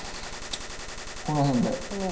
この辺で。